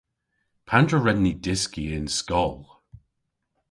Pandr'a wren ni dyski y'n skol?